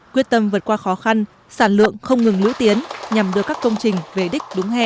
quyết tâm vượt qua khó khăn sản lượng không ngừng lũy tiến nhằm đưa các công trình về đích đúng hẹn